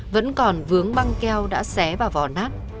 vẫn còn vướng băng keo đã xé vào vỏ nát